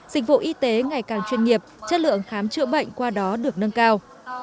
dịch vụ y tế ngày càng chuyên nghiệp chất lượng khám chữa bệnh qua đó được nâng cao